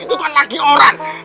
itu kan laki orang